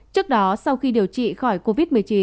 trước đó sau khi điều trị khỏi covid một mươi chín